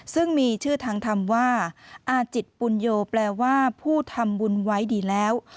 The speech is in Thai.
ซึ่งมีชื่อทางธรรมว่าอาจิตปุญโยแปลว่าผู้ทำบุญไว้ดีแล้ว